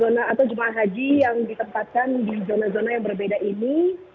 nah jemaah haji yang ditempatkan di jemaah jemaah yang berbeda ini